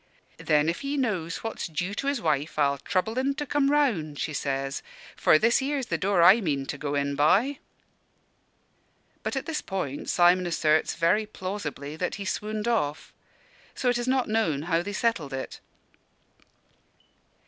'Then, if he knows what's due to his wife, I'll trouble en to come round,' she says; 'for this here's the door I mean to go in by.'" But at this point Simon asserts very plausibly that he swooned off; so it is not known how they settled it.